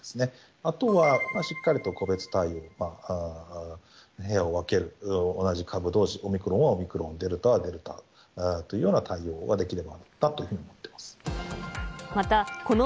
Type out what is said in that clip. あとはしっかりと個別対応、部屋を分ける、同じ株どうし、オミクロンはオミクロン、デルタはデルタというような対応ができればなというふうに思ってます。